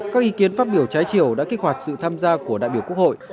các ý kiến phát biểu trái chiều đã kích hoạt sự tham gia của đại biểu quốc hội